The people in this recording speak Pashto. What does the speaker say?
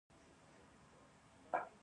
افغانستان د اوښ کوربه دی.